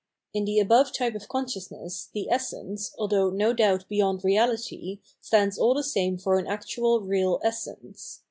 In the above type of consciousness the essence, although no doubt beyond reahty, stands aU the same for an actual real essence.